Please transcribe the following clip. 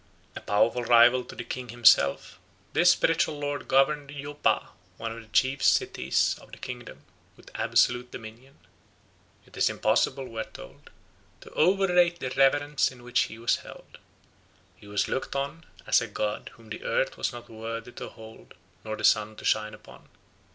A powerful rival to the king himself, this spiritual lord governed Yopaa, one of the chief cities of the kingdom, with absolute dominion. It is impossible, we are told, to overrate the reverence in which he was held. He was looked on as a god whom the earth was not worthy to hold nor the sun to shine upon.